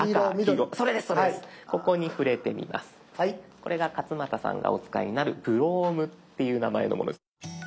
これが勝俣さんがお使いになる「Ｃｈｒｏｍｅ」っていう名前のものです。